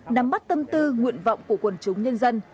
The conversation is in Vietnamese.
nắm bắt tâm tư nguyện vọng của quần chúng nhân dân